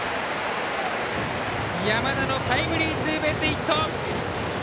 山田のタイムリーツーベースヒット。